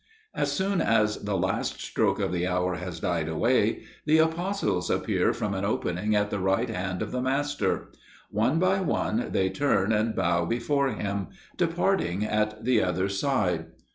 As soon as the last stroke of the hour has died away, the apostles appear from an opening at the right hand of the Master. One by one they turn and bow before Him, departing at the other side.